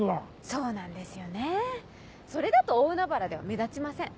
そうなんですよねぇそれだと大海原では目立ちません。